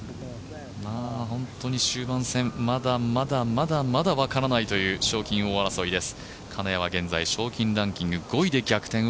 本当に終盤戦、まだまだまだまだ分からないという賞金王争いです。